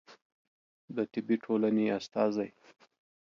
د طبي ټولنې استازی